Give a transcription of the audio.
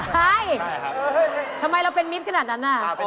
ทำไมเราเป็นมิตรขนาดนั้นน่ะ